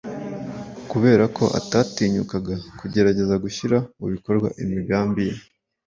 kubera ko atatinyukaga kugerageza gushyira mu bikorwa imigambi ye